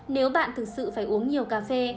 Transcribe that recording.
nếu bạn thực sự phải uống nhiều cà phê